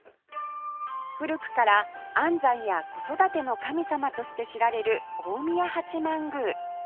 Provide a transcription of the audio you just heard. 古くから安産や子育ての神様として知られる大宮八幡宮